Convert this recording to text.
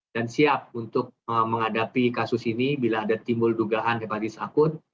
dan siap untuk menghadapi kasus ini bila ada timbul dugaan hepatitis akut